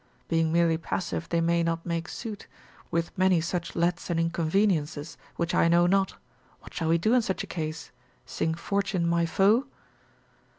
being merely passive they may not make suit, with many such lets and inconveniences, which I know not; what shall we do in such a case? sing Fortune my foe?